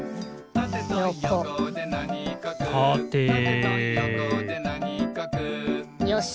「たてとよこでなにかく」よし。